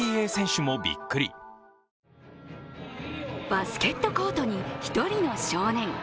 バスケットコートに１人の少年。